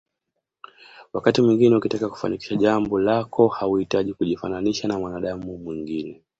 Wakati mwingine ukitaka kufanikisha jambo lako hauhitaji kujifananisha na mwanadamu mwingine